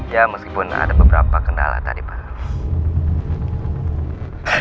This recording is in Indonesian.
ya meskipun ada beberapa kata kata yang saya tidak tahu apa apa